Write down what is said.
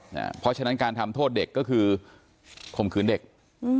เพราะฉะนั้นการทำโทษเด็กก็คือข่มขืนเด็กอืม